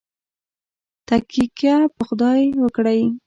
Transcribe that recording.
تککیه په خدای وکړئ